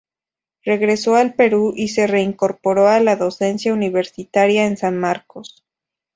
Regresó al Perú y se reincorporó a la docencia universitaria en San Marcos.